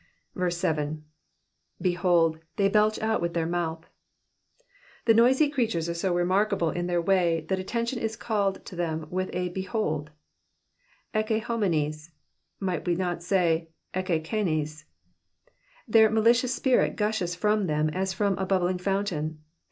7. ^^ Behold, ikey belch out with their mouthy The noisy creatures are so remarkable in their way, that attention is called to them with a beliold, Ecce homines^ might we not say, Eece eanes ! Their malicious speech gushes from them as from a bubbling fountain.